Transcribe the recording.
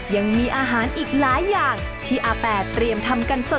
ยังมีอาหารอีกหลายอย่างที่อาแปดเตรียมทำกันสด